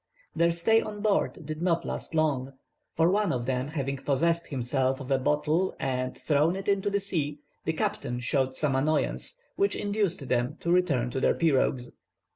Their stay on board did not last long, for one of them having possessed himself of a bottle and thrown it into the sea, the captain showed some annoyance, which induced them to return to their pirogues.